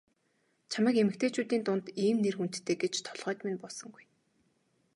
Чамайг эмэгтэйчүүдийн дунд ийм нэр хүндтэй гэж толгойд минь буусангүй.